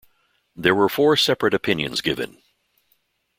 There were four separate opinions given.